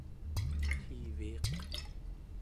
tiiviiq